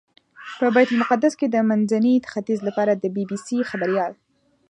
په بیت المقدس کې د منځني ختیځ لپاره د بي بي سي خبریال.